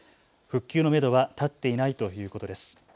復旧のめどは立っていないということです。